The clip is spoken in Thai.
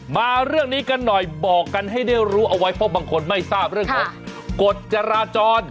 มาเรื่องนี้กันหน่อยบอกกันให้ได้รู้เอาไว้เพราะบางคนไม่ทราบเรื่องของกฎจราจร